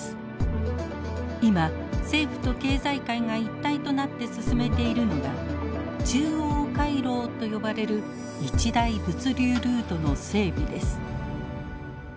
今政府と経済界が一体となって進めているのが中央回廊と呼ばれる一大物流ルートの整備です。